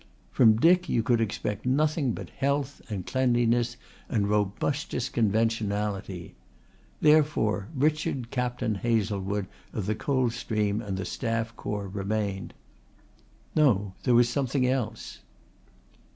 From Dick you could expect nothing but health and cleanliness and robustious conventionality. Therefore Richard Captain Hazlewood of the Coldstream and the Staff Corps remained. "No, there was something else."